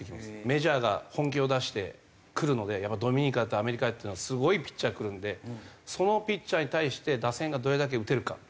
メジャーが本気を出してくるのでやっぱドミニカとアメリカっていうのはすごいピッチャーくるんでそのピッチャーに対して打線がどれだけ打てるか。